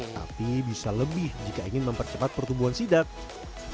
tapi bisa lebih jika ingin mempercepat pertumbuhan sidat